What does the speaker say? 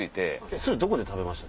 それどこで食べました？